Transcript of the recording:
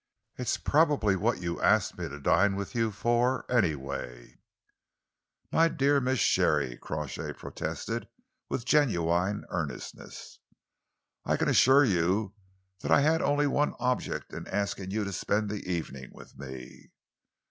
It's probably what you asked me to dine with you for, anyway." "My dear Miss Sharey!" Crawshay protested, with genuine earnestness. "I can assure you that I had only one object in asking you to spend the evening with me."